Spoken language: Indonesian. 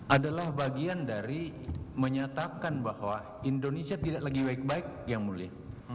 adalah bagian dari menyatakan bahwa indonesia tidak lagi baik baik yang mulia